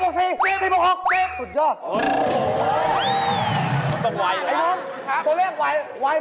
ตัวเรียกไวไวไหม